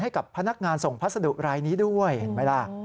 ให้กับพนักงานส่งพัสดุรายนี้ด้วยเห็นไหมล่ะ